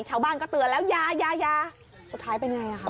ชาวบ้านก็เตือนแล้วยายาสุดท้ายเป็นไงอ่ะคะ